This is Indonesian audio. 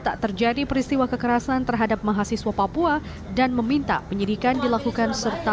tak terjadi peristiwa kekerasan terhadap mahasiswa papua dan meminta penyidikan dilakukan serta